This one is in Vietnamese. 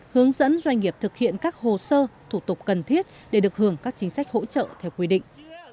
hướng dẫn doanh nghiệp thực hiện các hồ sơ thủ tục cần thiết để được hưởng các chính sách hỗ trợ theo quy định